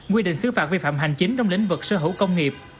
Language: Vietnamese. quy định xứ phạt vi phạm hành chính trong lĩnh vực sở hữu công nghiệp